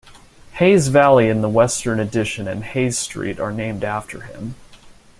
Hayes Valley in the western addition and Hayes Street are named after him.